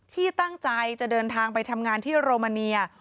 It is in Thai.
ที่ตั้งใจจะเดินทางไปทำงานที่โรมาเนีย